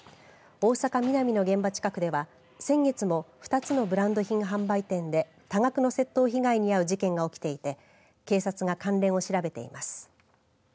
大阪、ミナミの現場近くでは先月も２つのブランド品販売店で多額の窃盗被害に遭う事件が起きていて警察が関連を調べています。